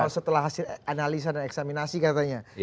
setelah hasil analisa dan eksaminasi katanya